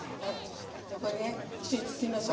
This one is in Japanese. これ、一緒に包みましょう。